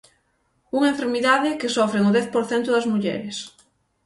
Unha enfermidade que sofren o dez por cento das mulleres.